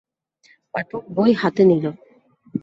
পাঠক বই হাতে নিল।